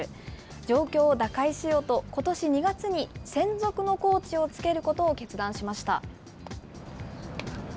状況を打開しようと、ことし２月に専属のコーチをつけることを決断しました。